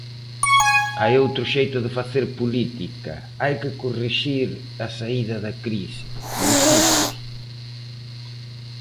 "Hai outro xeito de facer política, hai que corrixir a saída da crise", insiste.